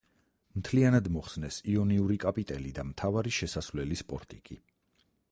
მთლიანად მოხსნეს იონიური კაპიტელი და მთავარი შესასვლელის პორტიკი.